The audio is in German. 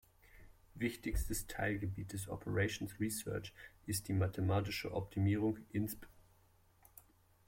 Wichtigstes Teilgebiet des Operations Research ist die mathematische Optimierung, insb.